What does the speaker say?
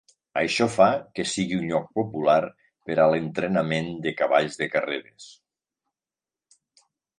Això fa que sigui un lloc popular per a l'entrenament de cavalls de carreres.